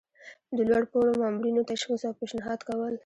د لوړ پوړو مامورینو تشخیص او پیشنهاد کول.